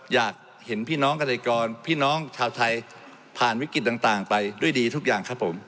อยากเห็นพี่น้องเกษตรกรพี่น้องชาวไทยผ่านวิกฤตต่างไปด้วยดีทุกอย่างครับผม